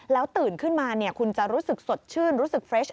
ตื่นขึ้นมาคุณจะรู้สึกสดชื่นรู้สึกเฟรช